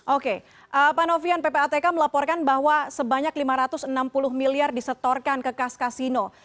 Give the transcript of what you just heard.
oke pak novian ppatk melaporkan bahwa sebanyak lima ratus enam puluh miliar disetorkan ke kas kasino